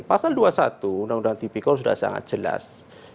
pasal dua puluh satu undang undang tipikor sudah sangat jelas